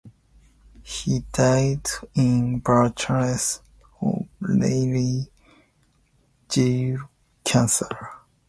He died in Bucharest of laryngeal cancer.